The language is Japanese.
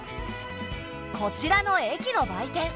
こちらの駅の売店。